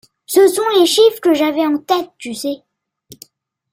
Ce sont les chiffres que j'avais en tête, tu sais.